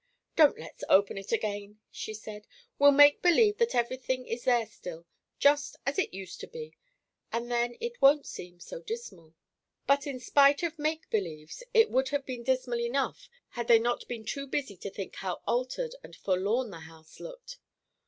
"Don't let's open it again," she said. "We'll make believe that every thing is there still, just as it used to be, and then it won't seem so dismal." But in spite of "make believes," it would have been dismal enough had they not been too busy to think how altered and forlorn the house looked.